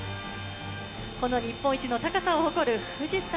この日本一の高さを誇る富士山。